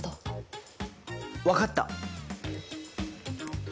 分かった！